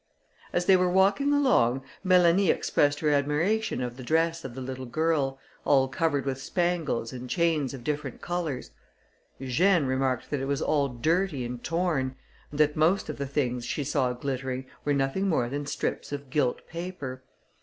As they were walking along, Mélanie expressed her admiration of the dress of the little girl, all covered with spangles and chains of different colours. Eugène remarked that it was all dirty and torn, and that most of the things she saw glittering were nothing more than strips of gilt paper.